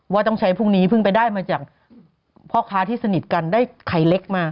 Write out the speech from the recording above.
ว่าต้องใช้พรุ่งนี้เพิ่งไปได้มาจากพ่อค้าที่สนิทกันได้ไข่เล็กมา